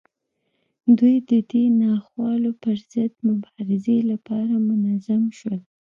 دوی د دې ناخوالو پر وړاندې مبارزې لپاره منظم شول.